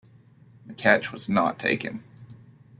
The catch was not taken.